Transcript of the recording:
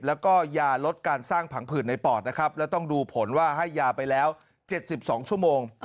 แล้วก็ยาลดการสร้างผังผื่นในปอดนะครับแล้วต้องดูผลว่าให้ยาไปแล้ว๗๒ชั่วโมง